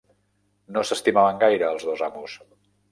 No s'estimaven gaire els dos amos.